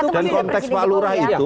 dan konteks pak lura itu